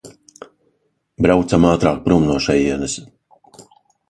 Braucam ātrāk prom no šejienes!